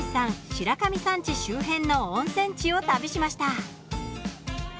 白神山地周辺の温泉地を旅しました。